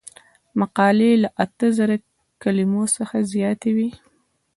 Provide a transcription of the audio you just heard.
مقالې له اته زره کلمو څخه زیاتې وي.